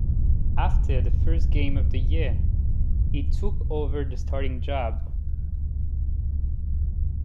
After the first game of the year, he took over the starting job.